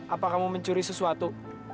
apa kamu mencuri sesuatu